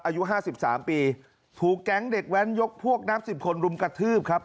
อายุห้าสิบสามปีถูกแก๊งเด็กแว้นยกพวกนับสิบคนรุมกระทืบครับ